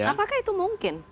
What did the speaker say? apakah itu mungkin